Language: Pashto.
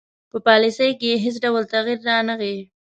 په پالیسي کې یې هیڅ ډول تغیر رانه غی.